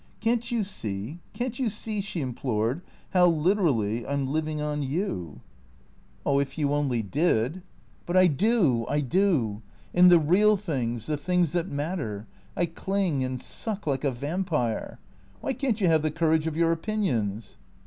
Can't you see, can't you see," she implored, "how, literally, I 'm living on you? " 426 THE CHEAT ORS " If you only did !"" But I do, I do. In the real things, the things that matter. I cling and suck like a vampire. AVhy can't you have the cour age of your opinions